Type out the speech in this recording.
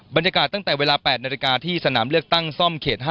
บรรยากาศตั้งแต่เวลา๘นาฬิกาที่สนามเลือกตั้งซ่อมเขต๕